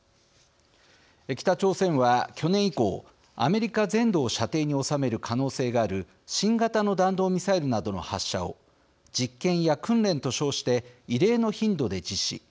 北朝鮮は去年以降アメリカ全土を射程に収める可能性がある新型の弾道ミサイルなどの発射を実験や訓練と称して異例の頻度で実施。